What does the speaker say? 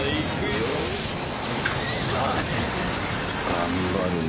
頑張るね。